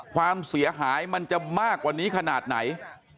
ความเสียหายมันจะมากกว่านี้ขนาดไหน